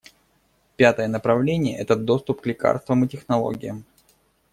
Пятое направление — это доступ к лекарствам и технологиям.